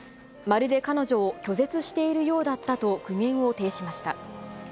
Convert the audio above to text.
まるで彼女を拒絶しているようだったと苦言を呈しました。